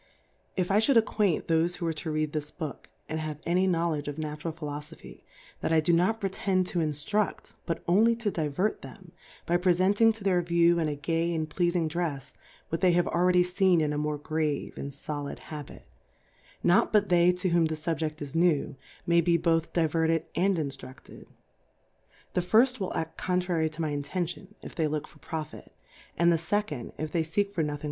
Ifljhould acquaint tbofe who are to read this Book^ and have any Kjtowledge of Natural Philofophy, that I do not pre tend to Inftru£t, but only to Divert them^ by prefenting to^ their View in a gay and pleafmg Drefs, what they have already feen in a more grave and folid Habit : Not but They^ to zvhom the SubjeH is New^ may be both Diverted ^«<^ Inftruft ed ; The firfi vinll aH contrary to my Inten tion^ if they look for Profit, aitd the fe condy iftheyfeekfor nothing